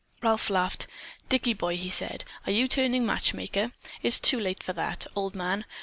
Ralph laughed. "Dicky boy," he said, "are you turning matchmaker? It's too late for that, old man.